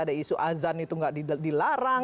ada isu azan itu nggak dilarang